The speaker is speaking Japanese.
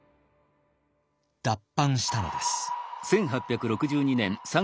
脱藩したのです。